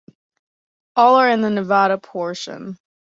All are in the Nevada portion.